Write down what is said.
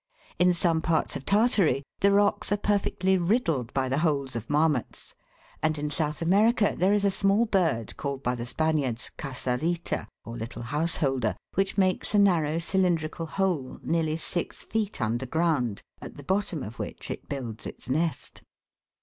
In some parts of Tartary, the rocks are perfectly riddled by the holes of marmots, and in South America there is a small bird, called by the Spaniards Casarita, or Little Householder, which makes a narrow cylindrical hole nearly six feet under ground, at the bottom of which it builds its nest.